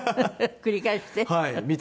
繰り返して？